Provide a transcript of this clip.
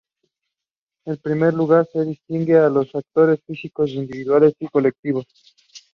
The stripe pattern was evident on both sides of the fabric.